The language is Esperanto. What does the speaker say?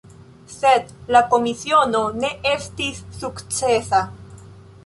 Sed la komisiono ne estis sukcesa.